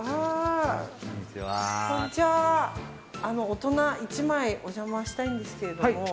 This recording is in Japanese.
大人１枚お邪魔したいんですけれども。